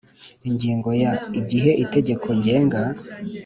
Ingingo ya Igihe itegeko ngenga